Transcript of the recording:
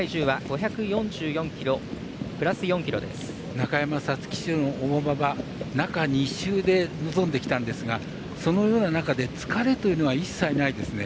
中山・皐月賞の重馬場中２週で臨んできたんですがそのような中で疲れというのは一切ないですね。